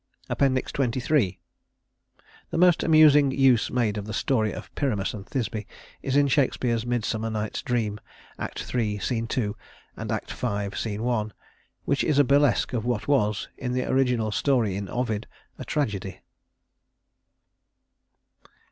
XXIII The most amusing use made of the story of Pyramus and Thisbe is in Shakespeare's "Midsummer Night's Dream," Act III, Sc. 2, and Act V, Sc. 1, which is a burlesque of what was, in the original story in Ovid, a tragedy.